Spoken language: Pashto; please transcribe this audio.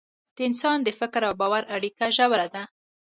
د انسان د فکر او باور اړیکه ژوره ده.